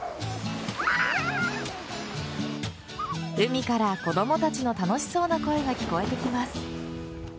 海から子供たちの楽しそうな声が聞こえてきます。